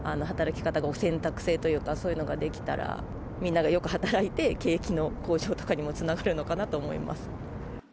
働き方の選択制というか、そういうのができたら、みんながよく働いて、景気の向上とかにもつながるのかなと思います。